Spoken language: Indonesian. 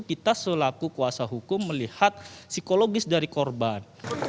kita selaku kuasa hukum melihat psikologis dari korban